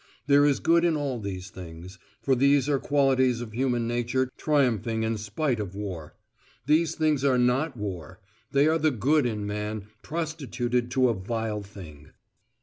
There is good in all these things; for these are qualities of human nature triumphing in spite of war. These things are not war; they are the good in man prostituted to a vile thing.